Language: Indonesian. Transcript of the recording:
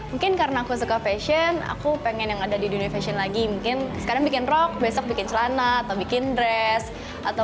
mungkin karena aku suka fashion aku pengen yang ada di dunia fashion lagi mungkin sekarang bikin rock besok bikin celana atau bikin dress